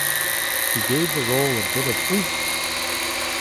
He gave the role a bit of oomph.